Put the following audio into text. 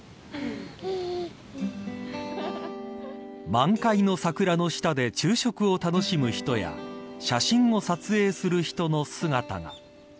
満開の桜の下で昼食を楽しむ人や写真を撮影する人の姿が。